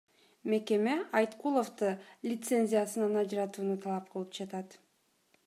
Мекеме Айткуловду лицензиясынан ажыратууну талап кылып жатат.